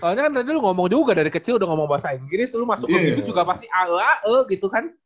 karena kan tadi lu ngomong juga dari kecil udah ngomong bahasa inggris lu masuk ke binus juga pasti a e a e gitu kan